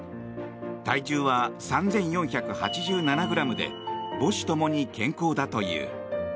体重は３４８７ｇで母子ともに健康だという。